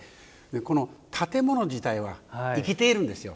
この建物自体は生きているんですよ。